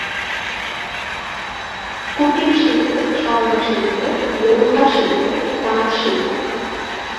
কুটিরশিল্প স্বর্ণশিল্প, লৌহাশিল্প, তাঁতশিল্প।